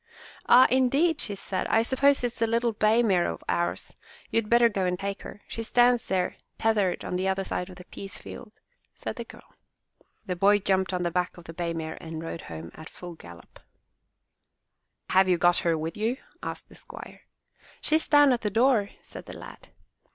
"Ah, indeed," she said, "I suppose it's that little bay mare of ours. You had better go and take her. She stands there tethered on the other side of the peas field," said the girl. The boy jumped on the back of the bay mare and rode home at full gallop. 37 MY BOOK HOUSE "Have you got her with you?'' asked the squire. "She is down at the door," said the lad.